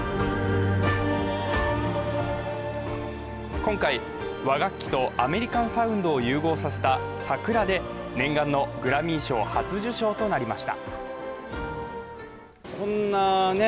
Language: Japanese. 今回、和楽器とアメリカンサウンドを融合させた「ＳＡＫＵＲＡ」で念願のグラミー賞初受賞となりました。